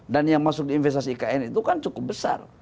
dan yang masuk di investasi ikn itu kan cukup besar